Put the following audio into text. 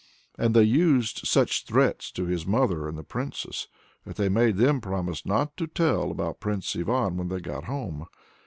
And they used such threats to his mother and the Princess, that they made them promise not to tell about Prince Ivan when they got home.